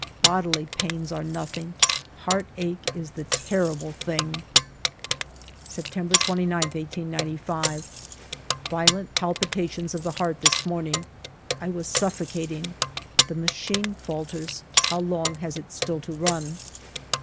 Bodily pains are nothing; heart ache is the terrible thing. September 29, 1895. Violent palpitation of the heart this morning. I was suffocating. The machine falters; how long has it still to run